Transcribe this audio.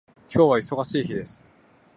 今日は忙しい日です